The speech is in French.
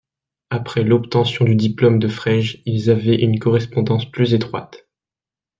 Après l'obtention du diplôme de Frege, ils avaient une correspondance plus étroite.